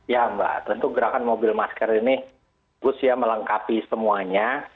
ya mbak tentu gerakan mobil masker ini bagus ya melengkapi semuanya